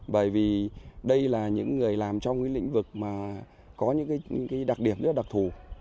bởi vì đây là những người làm trong cái lĩnh vực mà có những đặc điểm rất là đặc thù